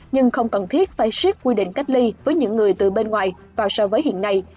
nhưng không cần thiết phải siết quy định cách ly với những người từ bên ngoài và so với hiện nay